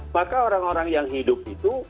maka orang orang yang hidup itu